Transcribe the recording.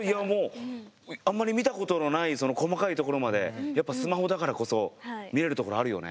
あんまり見たことのない細かいところまでやっぱスマホだからこそ見れるところあるよね。